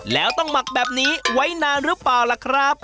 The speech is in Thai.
แล้วต้องหมักแบบนี้ไว้นานหรือเปล่าล่ะครับ